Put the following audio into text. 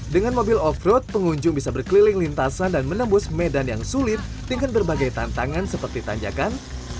dengan mobil off road pengunjung bisa berkeliling lintasan dan menembus medan yang sulit dengan berbagai tantangan seperti tanjakan